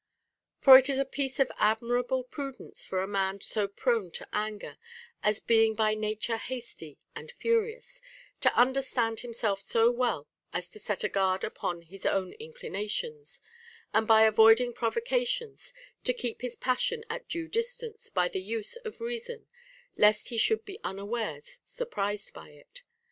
For it is a piece of admirable prudence for a man so prone to anger, as being by nature hasty and furious, to under stand himself so well as to set a guard upon his own inclinations, and by avoiding provocations to keep his pas sion at clue distance by the use of reason, lest he should be unawares surprised by it.